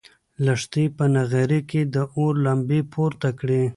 لښتې په نغري کې د اور لمبې پورته کړې.